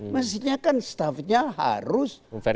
mestinya kan stafnya harus